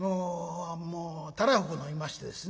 もうたらふく飲みましてですね